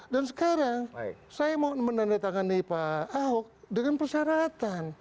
dan sekarang saya mau menandatangani pak ahok dengan persyaratan